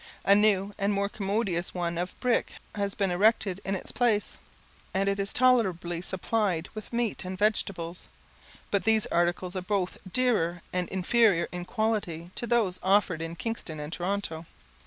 A new and more commodious one of brick has been erected in its place, and it is tolerably supplied with meat and vegetables; but these articles are both dearer and inferior in quality to those offered in Kingston and Toronto.